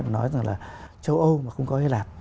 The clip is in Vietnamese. nói rằng là châu âu mà không có hy lạp